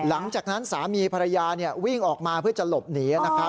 หลังจากนั้นสามีภรรยาวิ่งออกมาเพื่อจะหลบหนี